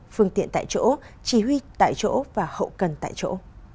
phương tiện tại chỗ chỉ huy tại chỗ và hậu cần tại chỗ